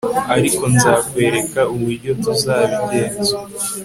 ariko nzakwereka uburyo tuzabigenza